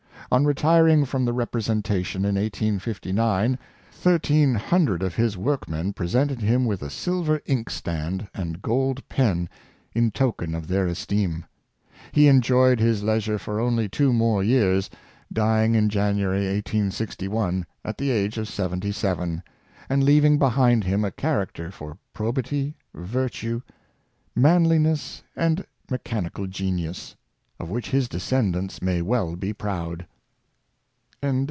On retiring from the representation in 1859, thirteen hundred of his workmen presented him with a silver inkstand and gold pen, in token of their esteem. He enjoyed his leisure for only two more years, dying in January, 1861, at the age of seventy seven, and leaving behind him a charac ter for probity, virtue, manliness and mechanical genius, of which his descendants may well be proud.